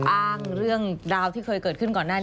อ้างเรื่องราวที่เคยเกิดขึ้นก่อนหน้านี้